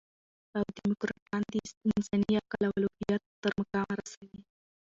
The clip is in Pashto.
او ډيموکراټان د انساني عقل او د الوهیت تر مقامه رسوي.